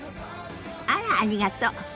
あらありがと。